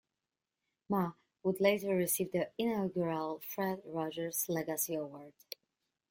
Ma would later receive the inaugural Fred Rogers Legacy Award.